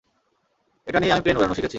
এটা দিয়েই আমি প্লেন উড়ানো শিখেছি।